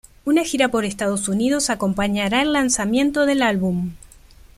Una gira por Estados Unidos acompañará el lanzamiento del álbum.